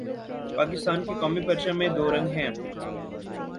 پاکستان کے قومی پرچم میں دو رنگ ہیں